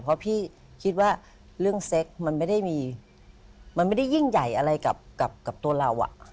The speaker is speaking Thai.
เพราะพี่คิดว่าเรื่องเซ็กมันไม่ได้มีมันไม่ได้ยิ่งใหญ่อะไรกับตัวเรา